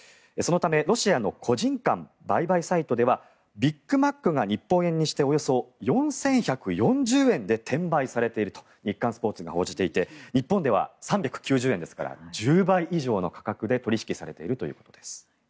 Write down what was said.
そのためロシアの個人間売買サイトではビッグマックが日本円にしておよそ４１４０円で転売されていると日刊スポーツが報じていて日本では３９０円ですから１０倍以上の価格で取引されているということです。